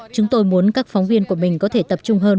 chúng tôi muốn các phóng viên của mình có thể tập trung hơn